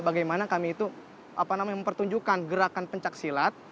bagaimana kami itu mempertunjukkan gerakan pencak silat